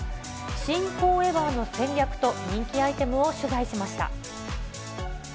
新フォーエバーの戦略と人気アイテムを取材しました。